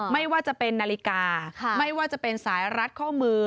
ไม่ว่าจะเป็นนาฬิกาไม่ว่าจะเป็นสายรัดข้อมือ